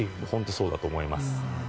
そうだと思います。